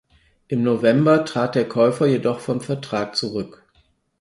Im November trat der Käufer jedoch vom Vertrag zurück.